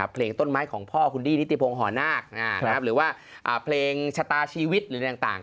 เพลงต้นไม้ของพ่อคุณดี้นิติพงศ์หอนาคหรือว่าเพลงชะตาชีวิตหรืออะไรต่าง